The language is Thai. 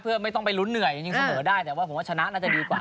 เพื่อไม่ต้องไปลุ้นเหนื่อยจริงเสมอได้แต่ว่าผมว่าชนะน่าจะดีกว่า